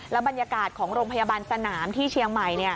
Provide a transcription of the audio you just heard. บรรยากาศของโรงพยาบาลสนามที่เชียงใหม่